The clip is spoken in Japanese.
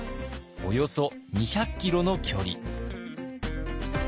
およそ２００キロの距離。